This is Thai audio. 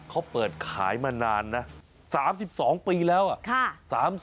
เขาเปิดขายมานานนะ๓๒ปีแล้ว